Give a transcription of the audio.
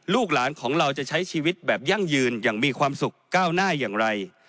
ลูกหลานของเราจะใช้ชีวิตแบบยั่งยืนอย่างมีความสุขก้าวหน้าอย่างไร